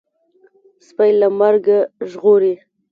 سپى له مرګه ژغوري.